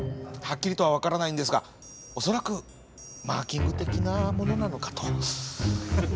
はっきりとは分からないんですが恐らくマーキング的なものなのかと。